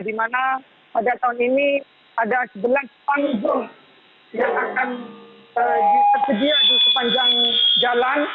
di mana pada tahun ini ada sebelas panggung yang akan tersedia di sepanjang jalan